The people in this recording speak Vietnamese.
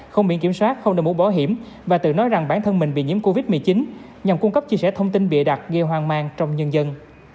không biện kiểm soát không đồng bộ bỏ hiểm và tự nói rằng bản thân mình bị nhiễm covid một mươi chín nhằm cung cấp chia sẻ thông tin bịa đặc gây hoang mang trong nhân dân